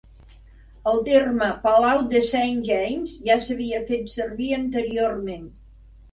El terme "palau de Saint James" ja s'havia fet servir anteriorment.